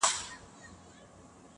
زه هيڅ مخلوق ته شکايت نکوم.